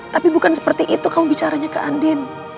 tapi bukan seperti itu kamu bicaranya ke andin